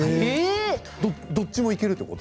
どっちもいけるということ？